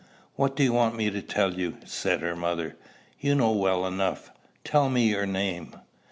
"What do you want me to tell you?" said her mother. "You know well enough. Tell me your name."